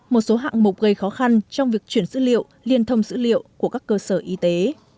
một số hạng mục gây khó khăn trong việc chuyển dữ liệu liên thông dữ liệu của các cơ sở y tế